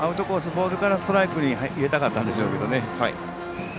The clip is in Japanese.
ボールからストライクに入れたかったんでしょうけどね。